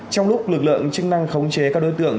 trong lúc lực lượng chức năng khống chế các đối tượng